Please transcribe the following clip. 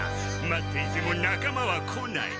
待っていてもなかまは来ない！